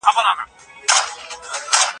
د تحقیق پر مهال د اثر زمانه په پام کې ونیسئ.